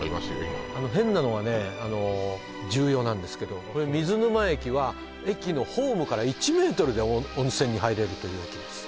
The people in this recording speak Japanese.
今あの変なのはね重要なんですけど水沼駅は駅のホームから１メートルで温泉に入れるという駅です